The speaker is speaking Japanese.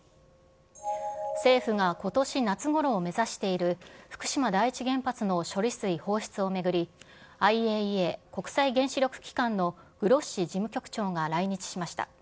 政府がことし夏ごろを目指している、福島第一原発の処理水放出を巡り、ＩＡＥＡ・国際原子力機関のグロッシ事務局長が来日しました。